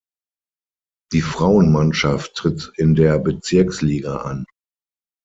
Die Frauenmannschaft tritt in der Bezirksliga an.